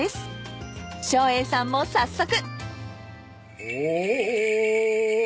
［照英さんも早速］